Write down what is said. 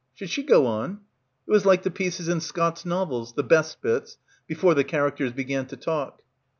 Should she go on? It was like the pieces in Scott's novels, the best bits, before the characters began to talk.